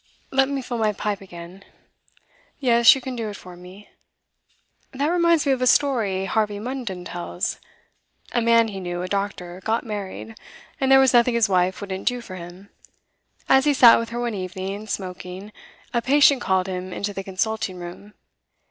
'Let me fill my pipe again. Yes, you can do it for me. That reminds me of a story Harvey Munden tells. A man he knew, a doctor, got married, and there was nothing his wife wouldn't do for him. As he sat with her one evening, smoking, a patient called him into the consulting room.